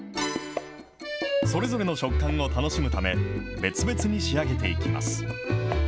それぞれの食感を楽しむため、別々に仕上げていきます。